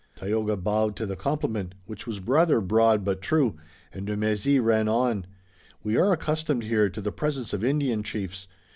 Tayoga bowed to the compliment, which was rather broad but true, and de Mézy ran on: "We are accustomed here to the presence of Indian chiefs.